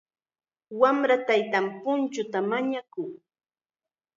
Wamra taytanta punchuta mañakun.